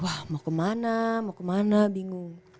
wah mau kemana mau kemana bingung